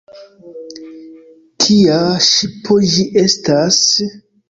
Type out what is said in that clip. Kia ŝipo ĝi estas?